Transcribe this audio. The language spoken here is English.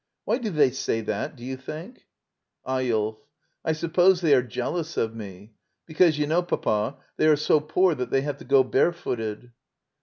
] Why do they say that, do you think? Eyolf. I suppose they are jealous of me. Be cause you know, I'apa, they are so poor that they have to go bare footed.